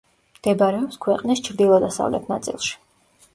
მდებარეობს ქვეყნის ჩრდილო-დასავლეთ ნაწილში.